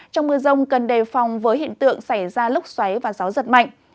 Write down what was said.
trong mưa rông cần đề phòng với hiện tượng xảy ra lốc xoáy và gió giật mạnh